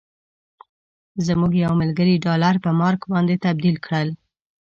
زموږ یو ملګري ډالر په مارک باندې تبدیل کړل.